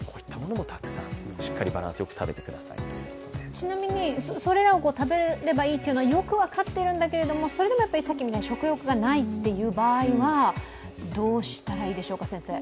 ちなみに、それらを食べればいいというのはよく分かっているんだけれどもそれでもやっぱりさっきみたいに食欲がないって場合はどうしたらいいでしょうか、先生。